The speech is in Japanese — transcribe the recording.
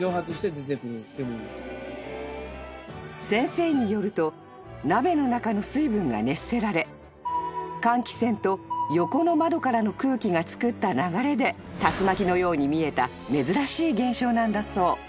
［先生によると鍋の中の水分が熱せられ換気扇と横の窓からの空気がつくった流れで竜巻のように見えた珍しい現象なんだそう］